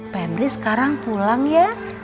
pebri sekarang pulang ya